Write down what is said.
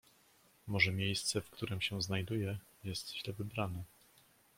"Może miejsce, w którem się znajduję, jest źle wybrane?"